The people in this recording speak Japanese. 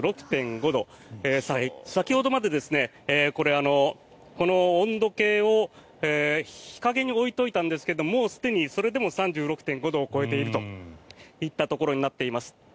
先ほどまでこの温度計を日陰に置いておいたんですがもうすでにそれでも３６．５度を超えているといったところになっております。